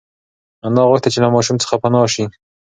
انا غوښتل چې له ماشوم څخه پنا شي.